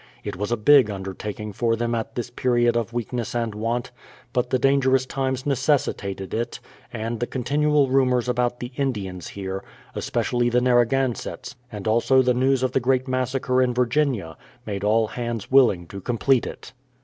It was a big undertaking for them at this period of weakness and want ; but the danger ous times necessitated it; and the continual rumours about the Indians here, especially the Narragansetts, and also the news of the great massacre in Virginia, made all hands will ing to complete it.